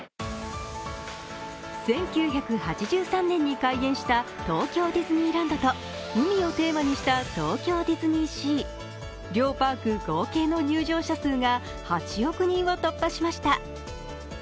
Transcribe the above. １９８３年に開園した東京ディズニーランドと海をテーマにした東京ディズニーシー、両パーク合計の入場者数が８億人を突破しました。